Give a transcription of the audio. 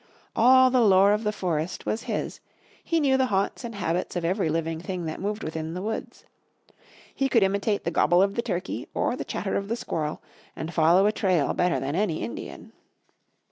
All the lore of the forest was his, he knew the haunts and habits of every living thing that moved within the woods. He could imitate the gobble of the turkey, or the chatter of a squirrel, and follow a trail better than any Indian.